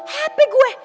hah hp gue